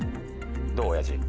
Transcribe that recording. どうおやじ？